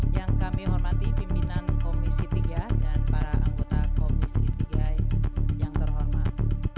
yang kami hormati pimpinan komisi tiga dan para anggota komisi tiga yang terhormat